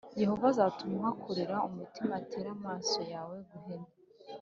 Yehova azatuma uhakukira umutima, atere amaso yawe guhena,